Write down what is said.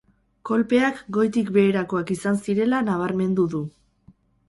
Kolpeak goitik beherakoak izan zirela nabarmendu du.